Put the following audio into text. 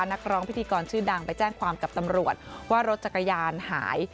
นักร้องพิธีกรชื่อดังไปแจ้งความกับตำรวจว่ารถจักรยานหาย